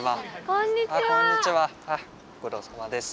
こんにちは。